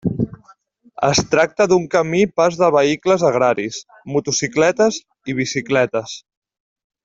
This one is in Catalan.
Es tracta d'un camí pas de vehicles agraris, motocicletes i bicicletes.